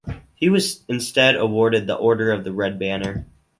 He was instead awarded the Order of the Red Banner.